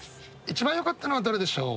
一番よかったのはどれでしょう？